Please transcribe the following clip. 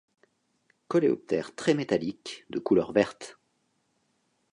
Coléoptère très métallique, de couleur verte.